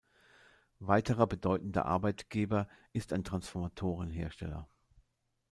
Weiterer bedeutender Arbeitgeber ist ein Transformatoren-Hersteller.